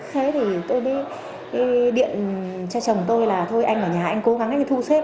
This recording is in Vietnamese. thế thì tôi điện cho chồng tôi là thôi anh ở nhà anh cố gắng anh thu xếp